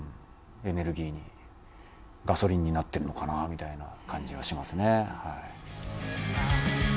エネルギーにガソリンになってるのかなみたいな感じはしますねはい。